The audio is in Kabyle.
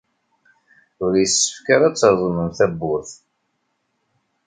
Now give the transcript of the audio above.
Ur yessefk ara ad treẓmem tawwurt.